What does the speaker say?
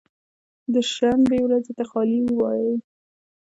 د شنبې ورځې ته خالي وایی